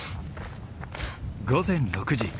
午前６時。